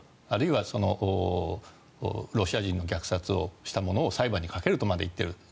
あるいはロシア人の虐殺した者を裁判にかけるとまで言っている。